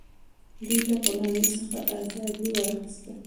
دوی له غلامۍ څخه ازادي واخیسته.